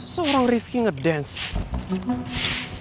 se orang rifki ngedance